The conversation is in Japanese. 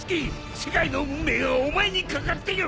世界の運命はお前に懸かってる！